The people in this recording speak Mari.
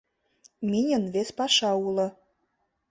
Миньын вес паша уло.